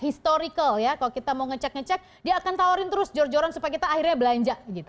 historical ya kalau kita mau ngecek ngecek dia akan tawarin terus jor joran supaya kita akhirnya belanja gitu